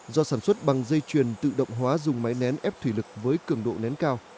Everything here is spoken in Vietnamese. do sản xuất bằng dây truyền tự động hóa dùng máy nén ép thủy lực với cường độ nén cao